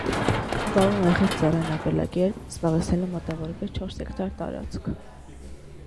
Վարում է խիստ ծառային ապրելակերպ՝ զբաղեցնելով մոտավորապես չորս հեկտար տարածք։